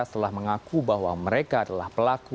telah mengaku bahwa mereka adalah pelaku